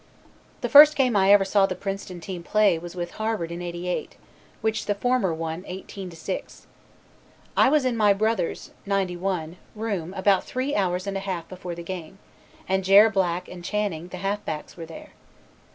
The first game I ever saw the Princeton Team play was with Harvard in '88, which the former won 18 to 6. I was in my brother's ('91) room about three hours and a half before the game, and Jere Black and Channing, the halfbacks, were there.